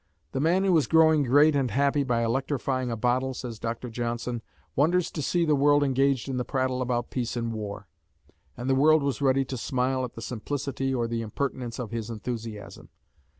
"The man who is growing great and happy by electrifying a bottle," says Dr. Johnson, "wonders to see the world engaged in the prattle about peace and war," and the world was ready to smile at the simplicity or the impertinence of his enthusiasm.